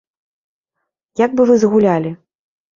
Як бы вы згулялі?